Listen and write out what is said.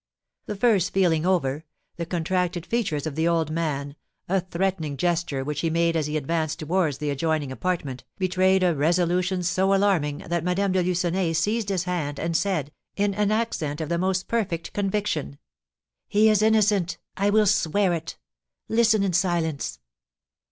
The first feeling over, the contracted features of the old man, a threatening gesture which he made as he advanced towards the adjoining apartment, betrayed a resolution so alarming that Madame de Lucenay seized his hand, and said, in an accent of the most perfect conviction: "He is innocent; I will swear it. Listen in silence."